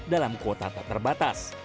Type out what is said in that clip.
dalam kuota tak terbatas